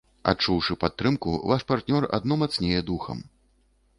Адчуўшы падтрымку, ваш партнёр адно мацнее духам.